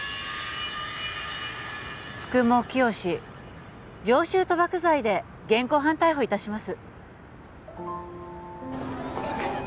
九十九聖常習賭博罪で現行犯逮捕いたします